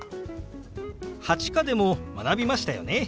８課でも学びましたよね。